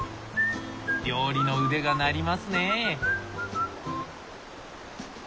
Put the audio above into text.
料理の腕が鳴りますね。